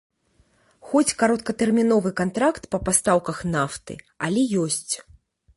Хоць кароткатэрміновы кантракт па пастаўках нафты, але ёсць.